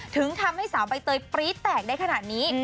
ถึงทำให้สาวใบเตยปรี๊ดแตกได้ขนาดนี้